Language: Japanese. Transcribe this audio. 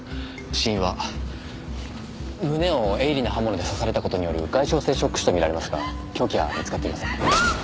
死因は胸を鋭利な刃物で刺された事による外傷性ショック死と見られますが凶器は見つかっていません。